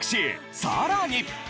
さらに。